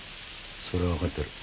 それはわかってる。